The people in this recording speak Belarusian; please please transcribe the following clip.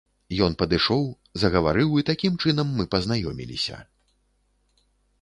Ён падышоў, загаварыў і такім чынам мы пазнаёміліся.